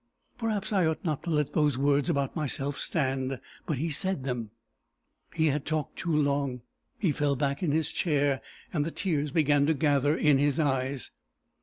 Perhaps I ought not to let those words about myself stand, but he said them. He had talked too long. He fell back in his chair, and the tears began to gather in his eyes.